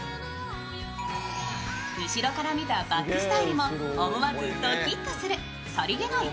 後ろから見たバックスタイルも思わずドキッとするさりげない